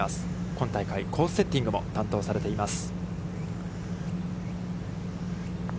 今大会、コースセッティングも担当されています。